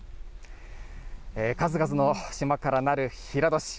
数々の島からなる平戸市。